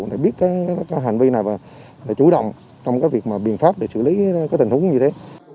để biết hành vi này và chú động trong việc biện pháp để xử lý tình huống như thế